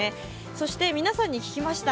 そして皆さんに聞きました。